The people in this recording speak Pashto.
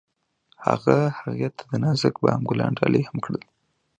هغه هغې ته د نازک بام ګلان ډالۍ هم کړل.